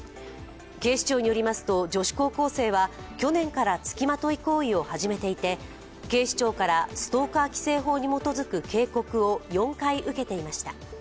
警視庁によりますと女子高校生は去年からつきまとい行為を始めていて警視庁からストーカー規制法に基づく警告を４回受けていました。